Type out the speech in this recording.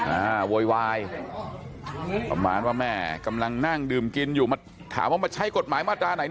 โวยวายประมาณว่าแม่กำลังนั่งดื่มกินอยู่มาถามว่ามาใช้กฎหมายมาตราไหน